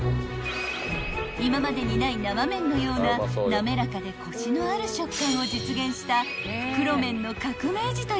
［今までにない生麺のようななめらかでコシのある食感を実現した］